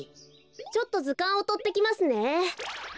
ちょっとずかんをとってきますね。